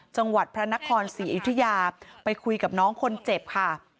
จังหวัดพระนครศรีอยุธยาไปคุยกับน้องคนเจ็บค่ะ